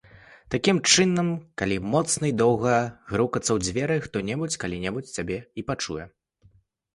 Такім чынам, калі моцна і доўга грукацца ў дзверы, хто-небудзь калі-небудзь цябе і пачуе.